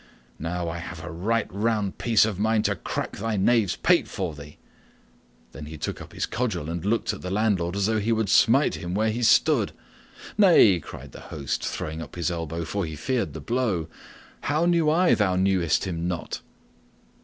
Now, I have a right round piece of a mind to crack thy knave's pate for thee!" Then he took up his cudgel and looked at the landlord as though he would smite him where he stood. "Nay," cried the host, throwing up his elbow, for he feared the blow, "how knew I that thou knewest him not?"